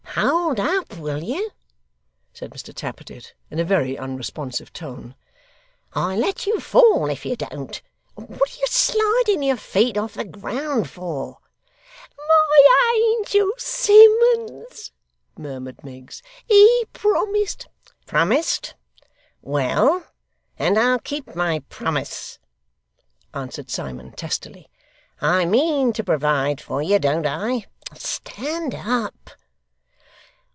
'Hold up, will you,' said Mr Tappertit, in a very unresponsive tone, 'I'll let you fall if you don't. What are you sliding your feet off the ground for?' 'My angel Simmuns!' murmured Miggs 'he promised ' 'Promised! Well, and I'll keep my promise,' answered Simon, testily. 'I mean to provide for you, don't I? Stand up!